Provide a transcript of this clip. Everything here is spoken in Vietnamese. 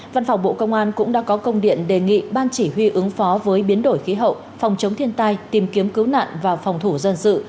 văn phòng bộ công an cũng đã có công điện đề nghị ban chỉ huy ứng phó với biến đổi khí hậu phòng chống thiên tai tìm kiếm cứu nạn và phòng thủ dân sự